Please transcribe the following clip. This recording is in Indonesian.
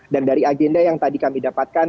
dan dari agenda yang tadi kami dapatkan